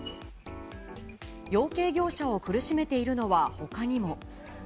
養鶏業者を苦しめているのはほかにも。